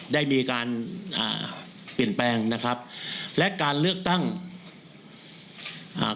ได้มีการอ่าเปลี่ยนแปลงนะครับและการเลือกตั้งอ่า